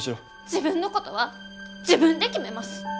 自分のことは自分で決めます！